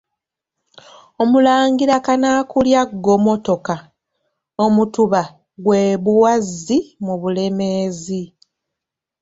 Omulangira Kanaakulya Ggomotoka, Omutuba gw'e Buwazzi mu Bulemeezi.